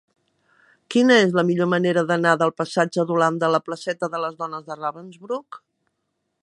Quina és la millor manera d'anar del passatge d'Holanda a la placeta de les Dones de Ravensbrück?